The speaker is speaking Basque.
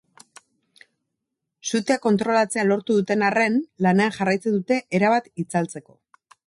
Sutea kontrolatzea lortu duten arren, lanean jarraitzen dute erabat itzaltzeko.